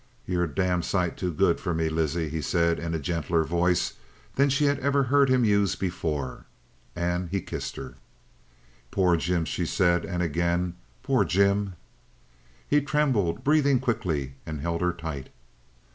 "You're a damned sight too good for me, Lizzie," he said in a gentler voice than she had ever heard him use before, and he kissed her. "Poor Jim!" she said. And again: "Poor Jim!" He trembled, breathing quickly, and held her tight.